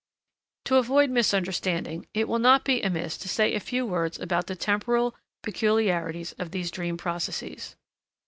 To avoid misunderstanding, it will not be amiss to say a few words about the temporal peculiarities of these dream processes.